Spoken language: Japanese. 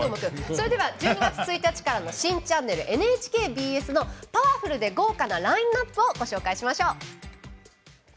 それでは１２月１日からの新チャンネルＮＨＫＢＳのパワフルで豪華なラインナップをご紹介しましょう。